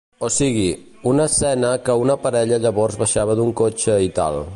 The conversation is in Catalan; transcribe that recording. O sigui, una escena que una parella llavors baixava d'un cotxe i tal.